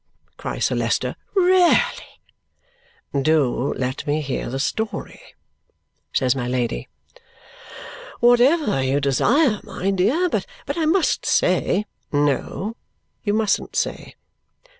cries Sir Leicester. "Really!" "Do let me hear the story!" says my Lady. "Whatever you desire, my dear. But, I must say " "No, you mustn't say!